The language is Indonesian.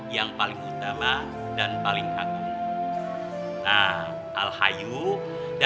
sampai jumpa di video selanjutnya